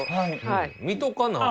はい。